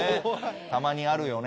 たまにあるよね。